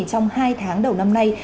trong hai tháng đầu năm nay